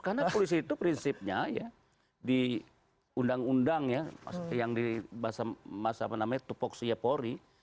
karena polisi itu prinsipnya ya di undang undang ya yang di masa apa namanya tupok siapori